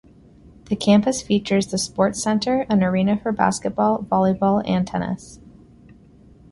The campus features the Sports Center, an arena for basketball, volleyball, and tennis.